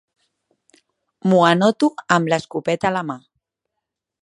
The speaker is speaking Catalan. M'ho anoto amb l'escopeta a la mà.